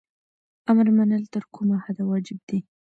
امر منل تر کومه حده واجب دي؟